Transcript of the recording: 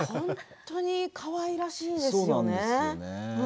本当にかわいらしいんですよね。